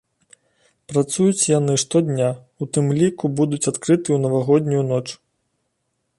Працуюць яны штодня, у тым ліку будуць адкрытыя ў навагоднюю ноч.